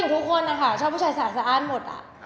ใช่ผู้หญิงทุกคนอะค่ะชอบผู้ชายสะอาดสะอ้านหมดอะ